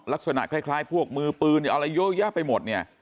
ลักษณะคล้ายพวกมือปืนอะไรเยอะแยะไปหมดเนี่ย